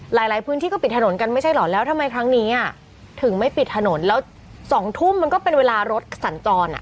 หลายหลายพื้นที่ก็ปิดถนนกันไม่ใช่เหรอแล้วทำไมครั้งนี้อ่ะถึงไม่ปิดถนนแล้ว๒ทุ่มมันก็เป็นเวลารถสัญจรอ่ะ